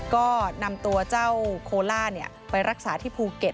ก็นำตัวเจ้าโคล่าไปรักษาที่ภูเก็ต